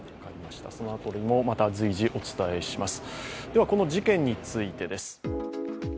その辺りもまた随時お伝えします。